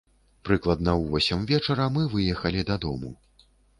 Прыкладна ў восем вечара мы выехалі дадому.